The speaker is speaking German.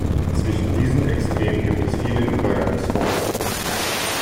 Zwischen diesen Extremen gibt es viele Übergangsformen.